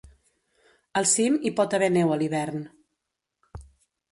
Al cim hi pot haver neu a l'hivern.